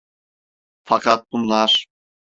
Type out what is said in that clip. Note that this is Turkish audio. Fakat bunlar...